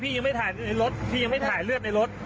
ยังไม่ถ่ายในรถพี่ยังไม่ถ่ายเลือดในรถ